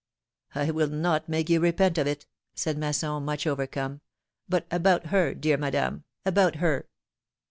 '^'' I will not make you repent of it," said Masson, much overcome ; but about her, dear Madame, about her